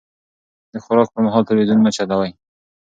د خوراک پر مهال تلويزيون مه چلوئ.